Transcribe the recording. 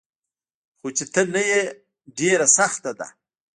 خو چي ته نه يي ډيره سخته ده